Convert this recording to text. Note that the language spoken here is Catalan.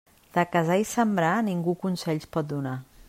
De casar i sembrar, ningú consells pot donar.